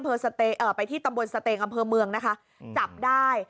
ไปที่ตำบลสเตงอำเภอเมืองนะคะจับได้